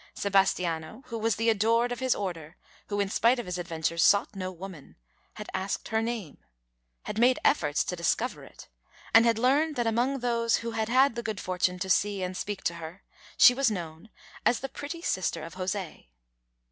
Sebastiano, who was the adored of his order, who in spite of his adventures sought no woman, had asked her name, had made efforts to discover it, and had learned that among those who had had the good fortune to see and speak to her she was known as "the pretty sister of José."